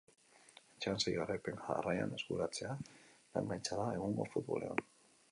Etxean sei garaipen jarraian eskuratzea lan gaitza da egungo futbolean.